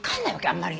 あんまり。